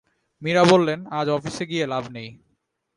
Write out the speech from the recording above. মীরা বললেন, আজ অফিসে গিয়ে লাভ নেই।